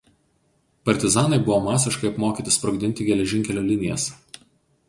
Partizanai buvo masiškai apmokyti sprogdinti geležinkelio linijas.